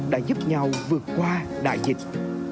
đã giúp nhau vượt qua đại dịch